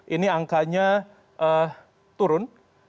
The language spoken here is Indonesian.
ini angkanya turun